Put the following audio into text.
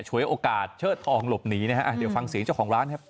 วยโอกาสเชิดทองหลบหนีนะฮะเดี๋ยวฟังเสียงเจ้าของร้านครับ